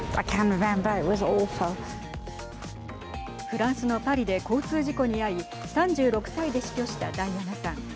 フランスのパリで交通事故に遭い３６歳で死去したダイアナさん。